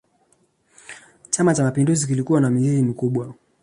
chama cha mapinduzi kilikuwa na mizizi mikubwa